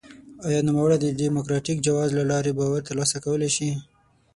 آیا نوموړی د ډیموکراټیک جواز له لارې باور ترلاسه کولای شي؟